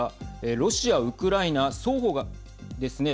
ロシア・ウクライナ双方がですね